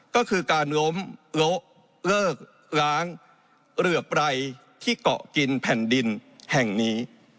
ก็คือการล้มละเลิกล้างเหลือไรที่เกาะกินแผ่นดินแห่งนี้